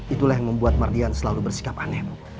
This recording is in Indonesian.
itulah yang membuat mardian selalu bersikap aneh